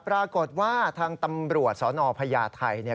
ปรากฏว่าทางตำรวจสนพญาไทย